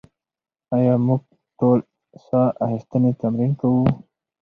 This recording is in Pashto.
ایا موږ ټول ساه اخیستنې تمرین کوو؟